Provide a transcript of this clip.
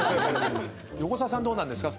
横澤さんどうなんですか？